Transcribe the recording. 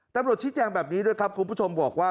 ตำรวจชี้แจงแบบนี้ด้วยครับคุณผู้ชมบอกว่า